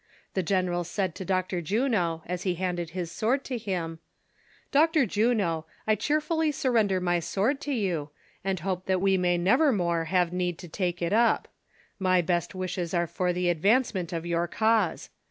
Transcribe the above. The general said to Dr. Juno, as he handed his sword to him : ''Dr. Juno, I cheerfully surrender my sword to you, and hope that we may never more liave need to take it up ; my best wishes are for the advancement of your cause.